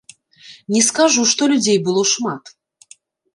Не скажу, што людзей было шмат.